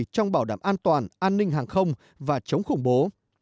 trong bảo đảm an toàn an ninh hàng không và chống khủng bố